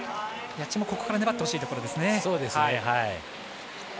谷地もここから粘ってほしいところですね。